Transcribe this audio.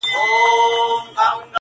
چي په هرځای کي مي وغواړی او سېږم؛